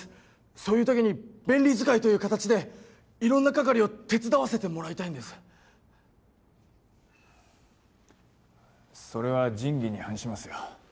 そういうときに便利使いという形でいろんな係を手伝わせてもらいたいんですそれは仁義に反しますよ